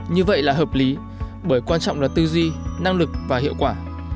như vậy là hợp lý bởi quan trọng là tư duy năng lực và hiệu quả